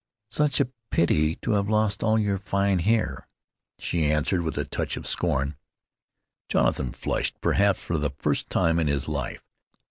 "Such a pity to have lost all your fine hair," she answered with a touch of scorn. Jonathan flushed, perhaps for the first time in his life.